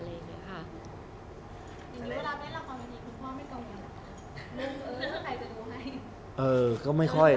เวลาแนะนำราคบนดีคุณพ่อไม่กังวลหรอ